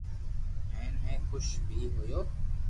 ھين ۾ خوݾ بي ھويو